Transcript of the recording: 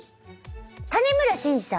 谷村新司さん？